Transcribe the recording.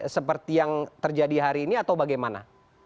seperti yang terjadi hari ini atau bagaimana